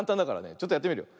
ちょっとやってみるよ。